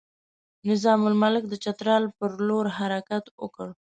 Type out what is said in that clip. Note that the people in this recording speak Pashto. نظام الملک د چترال پر لور حرکت وکړ.